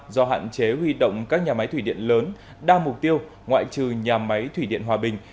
do hạn chế huy động các nhà máy thủy điện lớn đa mục tiêu ngoại trừ nhà máy thủy điện hòa bình